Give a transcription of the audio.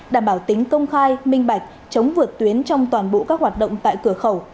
đảm bảo tính công khai minh bạch chống vượt tuyến trong toàn bộ các hoạt động tại cửa khẩu